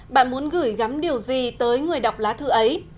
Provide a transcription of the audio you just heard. bạn muốn gửi gắm điều gì tới người đọc lá thư ấy